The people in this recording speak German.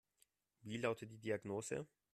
Wie lautet die Diagnose?